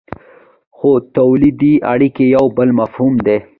خو تولیدي اړیکې یو بل مفهوم دی.